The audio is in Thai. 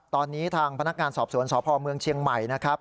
ตอนนี้ทางพนักงานสอบสวนสพเมืองเชียงใหม่นะครับ